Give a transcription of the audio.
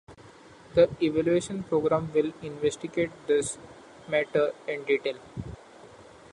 The evaluation program will investigate this matter in detail.